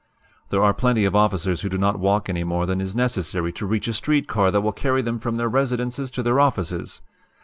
"There are plenty of officers who do not walk any more than is necessary to reach a street car that will carry them from their residences to their offices.